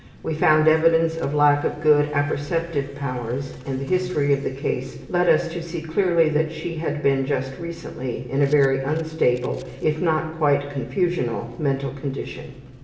We found evidence of lack of good apperceptive powers and the history of the case led us to see clearly that she had been just recently in a very unstable, if not quite confusional mental condition.